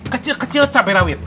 kecil kecil capek rawit